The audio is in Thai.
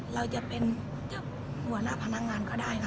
เราจะเป็นหัวหน้าพนักงานก็ได้นะ